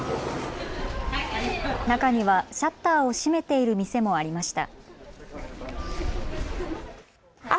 中にはシャッターを閉めている店もありました。